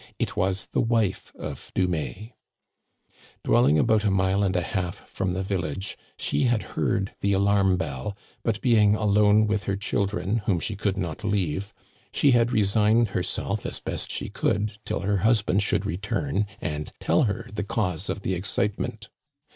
It was the wife of Dumais. Dwelling about a mile and a half from the village, she had heard the alarm bell ; but being alone with her children, whom she could not leave, she had resigned herself as best she could till her husband should return and tell her the cause of the excitement.